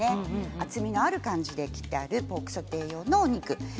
厚みがある感じで切ってあるポークソテー用のお肉です。